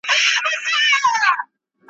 په سینو کي یې ځای ونیوی اورونو `